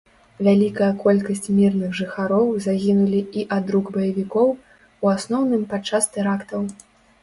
Вялікая колькасць мірных жыхароў загінулі і ад рук баевікоў, у асноўным падчас тэрактаў.